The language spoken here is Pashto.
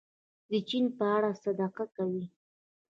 د چین په اړه صدق کوي.